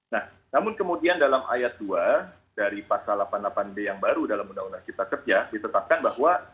nah namun kemudian dalam ayat dua dari pasal delapan puluh delapan d yang baru dalam undang undang kita kerja ditetapkan bahwa